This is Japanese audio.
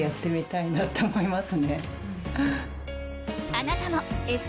あなたもＳ